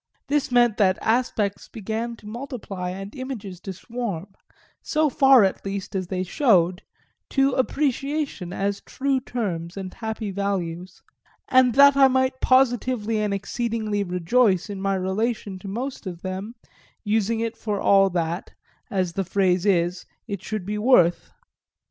This meant that aspects began to multiply and images to swarm, so far at least as they showed, to appreciation, as true terms and happy values; and that I might positively and exceedingly rejoice in my relation to most of them, using it for all that, as the phrase is, it should be worth.